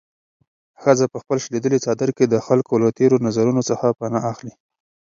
ښځه په خپل شلېدلي څادر کې د خلکو له تېرو نظرونو څخه پناه اخلي.